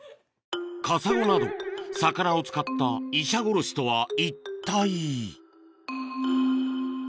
カサゴなど魚を使ったイシャゴロシとは一体？